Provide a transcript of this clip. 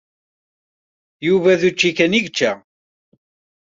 Yuba d učči kan i yečča.